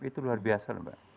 itu luar biasa